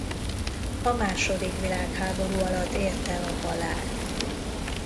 A második világháború alatt érte a halál.